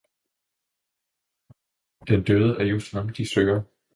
Den døde er just ham, de søger.